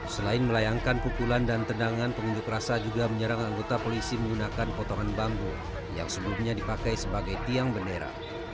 selain melayangkan pukulan dan tendangan pengunjuk rasa juga menyerang anggota polisi menggunakan potongan bambu yang sebelumnya dipakai sebagai tiang bendera